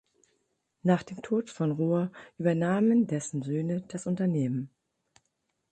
Nach dem Tod von Rohe übernahmen dessen Söhne das Unternehmen.